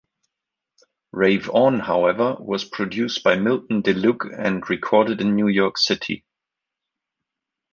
"Rave On", however, was produced by Milton DeLugg and recorded in New York City.